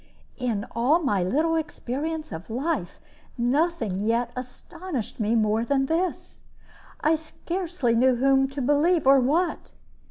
In all my little experience of life nothing yet astonished me more than this. I scarcely knew whom to believe, or what.